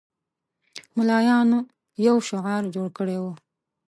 ملایانو یو شعار جوړ کړی وو.